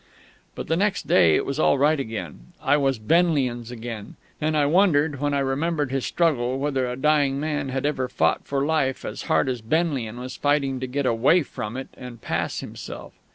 But the next day it was all right again. I was Benlian's again. And I wondered, when I remembered his struggle, whether a dying man had ever fought for life as hard as Benlian was fighting to get away from it and pass himself.